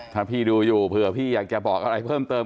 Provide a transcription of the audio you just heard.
ถ้าพี่ดูอยู่เผื่อพี่อยากจะบอกอะไรเพิ่มเติม